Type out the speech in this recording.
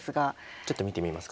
ちょっと見てみますか。